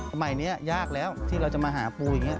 สมัยนี้ยากแล้วที่เราจะมาหาปูอย่างนี้